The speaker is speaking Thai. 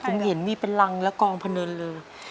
ผมเห็นมีเป็นรังและกองพนันเลย